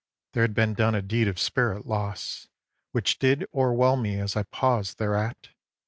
There had been done a deed of spirit loss Which did o'erwhelm me as I paused thereat.